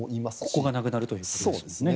ここがなくなるということですね。